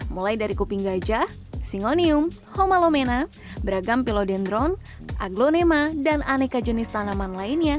mulai dari kuping gajah singonium homalomena beragam pilodendron aglonema dan aneka jenis tanaman lainnya